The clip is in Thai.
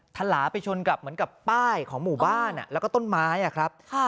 ถลาไปชนกับเหมือนกับป้ายของหมู่บ้านแล้วก็ต้นไม้ครับ